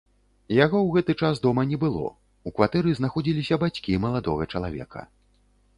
Яго ў гэты час дома не было, у кватэры знаходзіліся бацькі маладога чалавека.